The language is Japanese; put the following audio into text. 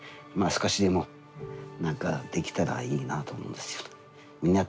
まあ少しでも何かできたらいいなと思うんですよね。